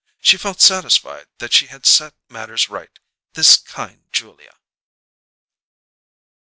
She felt satisfied that she had set matters right, this kind Julia!